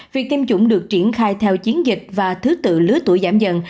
việc tiêm chủng được triển khai theo chiến dịch và thứ tự lứa tuổi giảm dần